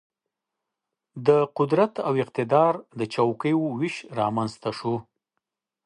د قدرت او اقتدار د چوکیو وېش رامېنځته شو.